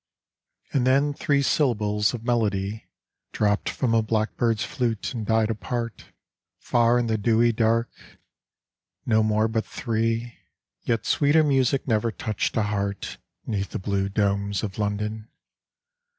And then three syllables of melody Dropped from a blackbird's flute, and died apart Far in the dewy dark. No more but three, 34 A TWILIGHT IN MIDDLE MARCH 35 Yet sweeter music never touched a heart Neath the blue domes of London.